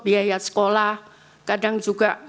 biaya sekolah kadang juga